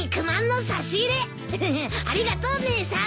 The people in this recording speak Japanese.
フフフありがとう姉さん。